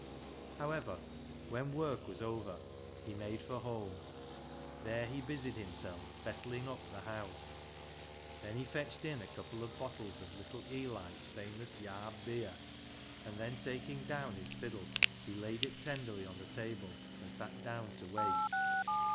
However, when work was over he made for home. There he busied himself " fettlin' up " the house. Then he fetched in a couple of ISAAC'S FIDDLE 313 bottles of little Eli's famous "yarb beer," and then taking down his fiddle, he laid it tenderly on the table and sat down to wait.